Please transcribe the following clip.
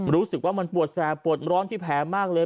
รู้สึกว่ามันปวดแสบปวดร้อนที่แผลมากเลย